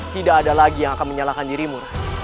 tidak ada lagi yang akan menyalahkan dirimu